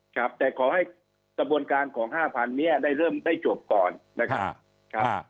ครับแต่ขอให้กระบวนการของ๕๐๐เนี่ยได้เริ่มได้จบก่อนนะครับ